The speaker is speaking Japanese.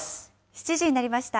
７時になりました。